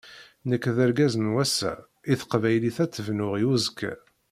Nekk d argaz n wass-a, i teqbaylit ad tt-bnuɣ i uzekka.